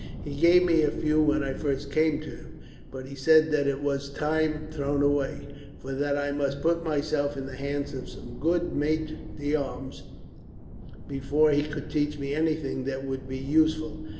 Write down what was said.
He gave me a few when I first came to him, but he said that it was time thrown away, for that I must put myself in the hands of some good maitre d'armes before he could teach me anything that would be useful.